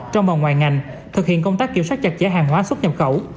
trong và ngoài ngành thực hiện công tác kiểm soát chặt chẽ hàng hóa xuất nhập khẩu